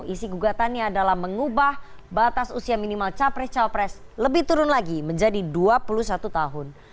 isi gugatannya adalah mengubah batas usia minimal capres cawapres lebih turun lagi menjadi dua puluh satu tahun